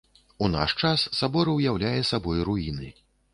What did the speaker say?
У наш час сабор уяўляе сабой руіны.